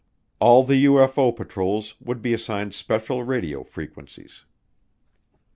All the UFO patrols would be assigned special radio frequencies.